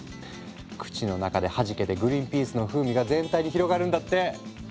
口の中ではじけてグリンピースの風味が全体に広がるんだって。